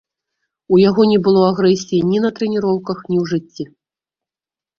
У яго не было агрэсіі ні на трэніроўках, ні ў жыцці.